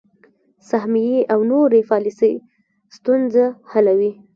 سهمیې او نورې پالیسۍ ستونزه حلوي.